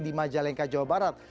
di majalengka jawa barat